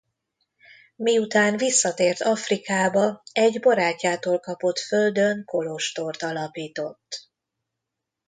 Miután visszatért Afrikába egy barátjától kapott földön kolostort alapított.